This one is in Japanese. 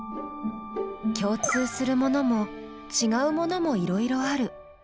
共通するものもちがうものもいろいろある。